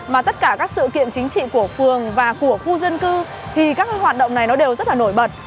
mà tất cả các sự kiện chính trị của phường và của khu dân cư thì các hoạt động này nó đều rất là nổi bật